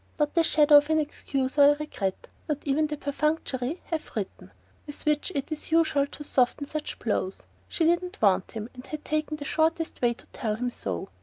Not the shadow of an excuse or a regret; not even the perfunctory "have written" with which it is usual to soften such blows. She didn't want him, and had taken the shortest way to tell him so.